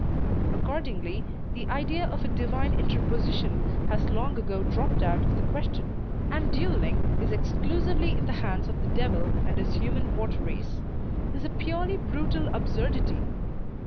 Accordingly, the idea of a divine interposition has long ago dropped out of the question, and duelling is exclusively in the hands of the devil and his human votaries, is a purely brutal absurdity.